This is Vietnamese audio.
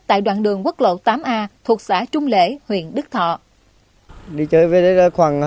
tại đoạn đường quốc lộ tám a thuộc xã trung lễ huyện đức thọ